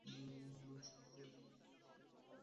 সত্যিই, গানার?